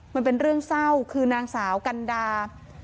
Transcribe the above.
มันเป็นเรื่องเศร้าคือนางสาวกันดา